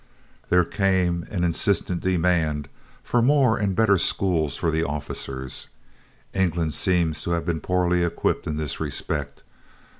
There came an insistent demand for more and better schools for the officers. England seems to have been poorly equipped in this respect.